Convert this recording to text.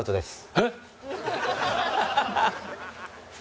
えっ！？